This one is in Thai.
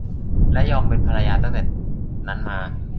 และยอมเป็นภรรยาตั้งแต่นั้นมา